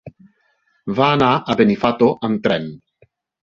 Va anar a Benifato amb tren.